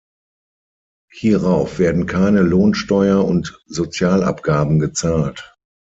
Hierauf werden keine Lohnsteuer und Sozialabgaben gezahlt.